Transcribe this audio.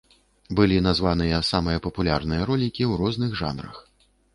Былі названыя самыя папулярныя ролікі ў розных жанрах.